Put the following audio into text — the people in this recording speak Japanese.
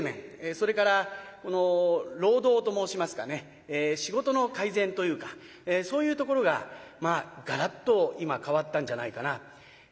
それから労働と申しますかね仕事の改善というかそういうところががらっと今変わったんじゃないかな。